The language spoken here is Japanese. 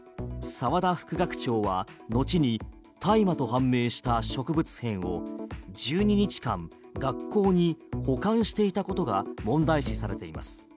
澤田副学長は後に大麻と判明した植物片を１２日間学校に保管していたことが問題視されています。